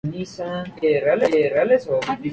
Congo Belge", Bot.